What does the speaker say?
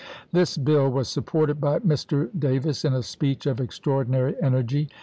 This bill was supported by Mr. Davis in a speech of extraordinary energy.